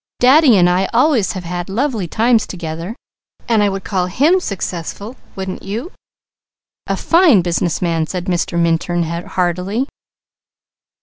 Daddy and I always have had lovely times together, and I would call him successful. Wouldn't you?" "A fine business man!" said Mr. Minturn heartily.